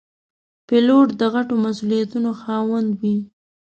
پیلوټ د غټو مسوولیتونو خاوند وي.